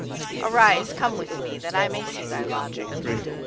[FN#39] Arise, come with me, that I may see thy lodging.'